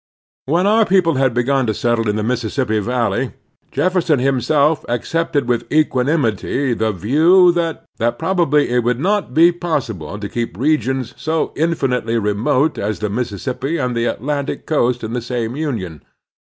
When our people had begun to settle in the Mississippi valley, Jefferson himself accepted with eqiianiniity the view that probably it would not be possible to keep regions so infi nitely remote as the Mississippi and the Atlantic coast in the same Union.